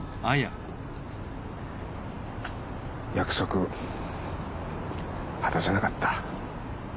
約束果たせなかった。